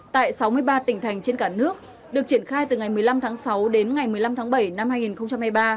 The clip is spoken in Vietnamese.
tại sáu mươi ba tỉnh thành trên cả nước được triển khai từ ngày một mươi năm tháng sáu đến ngày một mươi năm tháng bảy năm hai nghìn hai mươi ba